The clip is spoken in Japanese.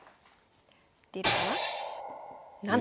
出るかな？